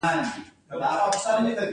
طیاره د انسانانو لویه لاسته راوړنه ده.